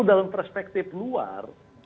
dalam perspektif luar